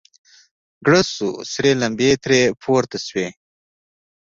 گړز سو سرې لمبې ترې پورته سوې.